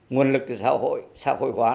nguồn lực từ xã hội xã hội hóa nó rất là khó khăn